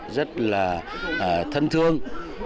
rất là thân thương